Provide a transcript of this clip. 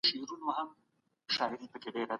اووه جمع اووه؛ څوارلس کېږي.